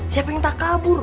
siapa yang tak kabur